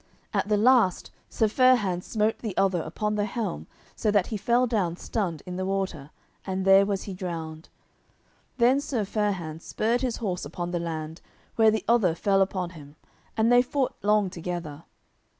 At the last Sir Fair hands smote the other upon the helm so that he fell down stunned in the water, and there was he drowned. Then Sir Fair hands spurred his horse upon the land, where the other fell upon him, and they fought long together.